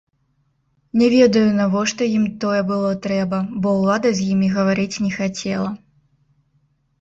Не ведаю, навошта ім тое было трэба, бо ўлада з імі гаварыць не хацела.